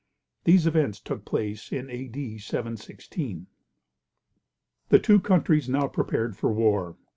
These events took place in A.D. 716. The two countries now prepared for war.